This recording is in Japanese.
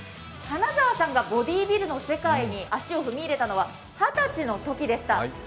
金澤さんがボディービルの世界に足を踏み入れたのは二十歳のときでした。